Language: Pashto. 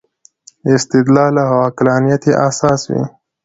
استدلال او عقلانیت یې اساس وي.